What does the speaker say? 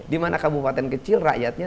di mana kabupaten kecil rakyatnya